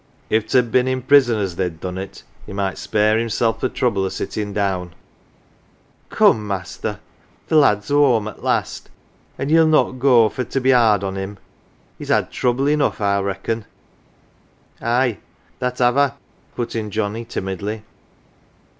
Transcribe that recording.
If 't 'ad ha' been in prison as they'd done it he might spare hinisel' th' trouble o' sitting down." "Come, master, th' lad's whoam at last, an' ye'll 65 E CELEBRITIES not go for to be 'ard on him. He's had trouble enough I'll reckon." " Aye, that have I," put in Johnnie timidly.